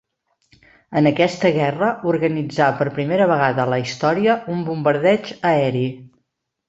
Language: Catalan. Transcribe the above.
En aquesta guerra organitzà, per primera vegada a la història, un bombardeig aeri.